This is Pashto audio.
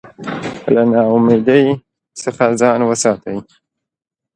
له ناامیدۍ څخه ځان وساتئ.